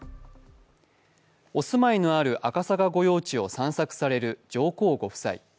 お住まいのある赤坂御用地を散策される上皇ご夫妻。